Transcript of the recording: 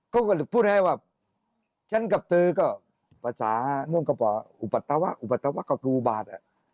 เขาก็พูดให้ว่าฉันกับเธอก็ภาษาอุปัตตาวะอุปัตตาวะก็คืออุบาท